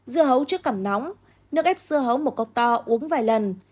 dưa hấu chữa cảm nóng nước ép dưa hấu một cốc to uống vài lần